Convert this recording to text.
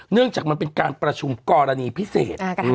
เรื่องจากมันเป็นการประชุมกรณีพิเศษ